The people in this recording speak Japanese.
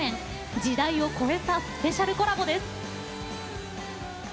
時代を超えたスペシャルコラボです。